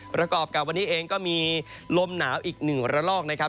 ประกอบกับวันนี้เองก็มีลมหนาวอีกหนึ่งระลอกนะครับ